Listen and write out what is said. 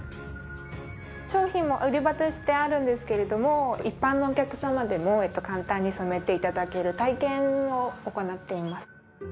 商品も売り場としてあるんですけれども一般のお客様でも簡単に染めて頂ける体験を行っています。